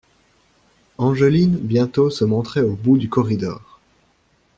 Angeline bientôt se montrait au bout du corridor.